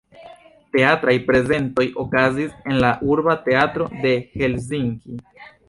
Teatraj prezentoj okazis en la urba teatro de Helsinki.